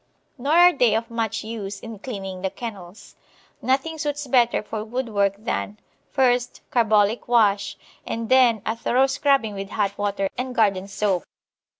Nor are they of much use in cleaning the kennels. Nothing suits better for woodwork than, first, carbolic wash, and then a thorough scrubbing with hot water and garden soap.